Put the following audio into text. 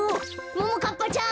ももかっぱちゃん！